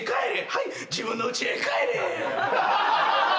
はい自分のうちへ帰れ。